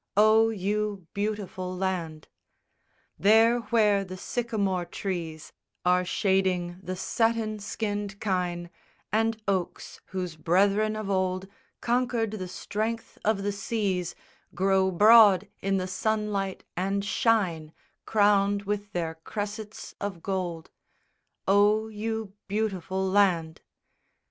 O, you beautiful land! IV There where the sycamore trees Are shading the satin skinned kine, And oaks, whose brethren of old Conquered the strength of the seas, Grow broad in the sunlight and shine Crowned with their cressets of gold; _O, you beautiful land!